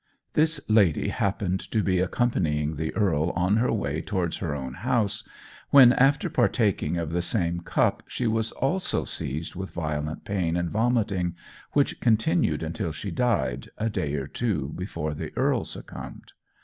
This lady happened to be accompanying the earl on her way towards her own house, when after partaking of the same cup she was also seized with violent pain and vomiting, which continued until she died, a day or two before the earl succumbed.